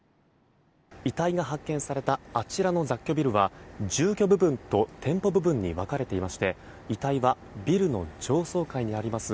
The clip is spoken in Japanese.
遺体が発見されたあちらの雑居ビルは住居部分と店舗部分に分かれていまして遺体はビルの上層階にあります